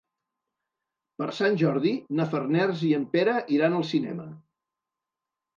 Per Sant Jordi na Farners i en Pere iran al cinema.